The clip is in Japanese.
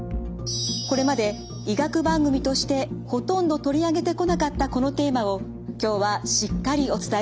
これまで医学番組としてほとんど取り上げてこなかったこのテーマを今日はしっかりお伝えします。